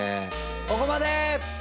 ここまで！